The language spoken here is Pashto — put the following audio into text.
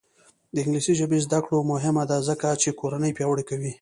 د انګلیسي ژبې زده کړه مهمه ده ځکه چې کورنۍ پیاوړې کوي.